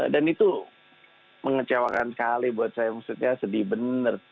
dan itu mengecewakan sekali buat saya maksudnya sedih bener